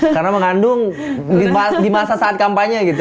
karena mengandung di masa saat kampanye gitu